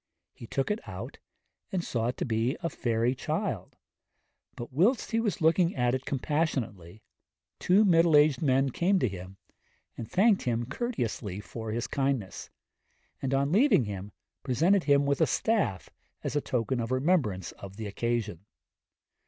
He took it out and saw it to be a fairy child, but whilst he was looking at it compassionately, two middle aged men came to him and thanked him courteously for his kindness, and on leaving him presented him with a staff as a token of remembrance of the occasion.